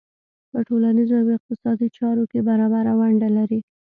په ټولنیزو او اقتصادي چارو کې برابره ونډه لري.